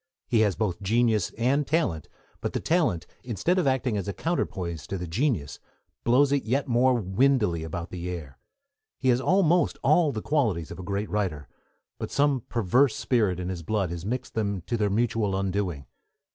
He has both genius and talent, but the talent, instead of acting as a counterpoise to the genius, blows it yet more windily about the air. He has almost all the qualities of a great writer, but some perverse spirit in his blood has mixed them to their mutual undoing.